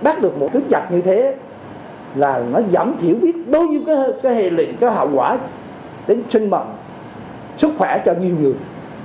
phước đã giảm thiểu biết đối với hệ lị hậu quả tính sinh mậm sức khỏe cho nhiều người